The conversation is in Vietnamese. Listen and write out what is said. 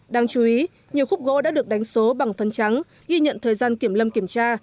đáng chú ý nhiều khúc gỗ đã được đánh số bằng phân trắng ghi nhận thời gian kiểm lâm kiểm tra